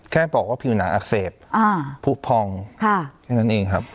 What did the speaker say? แค่บอกว่าผิวหนังอักเสบผู้พองแค่นั้นเองครับ